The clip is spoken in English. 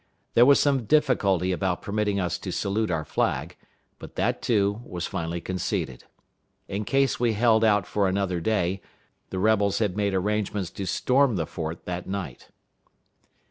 There was some difficulty about permitting us to salute our flag; but that, too, was finally conceded. In case we held out for another day, the rebels had made arrangements to storm the fort that night.